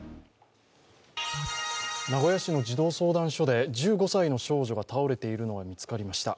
名古屋市の児童相談所で１５歳の少女が倒れているのが見つかりました。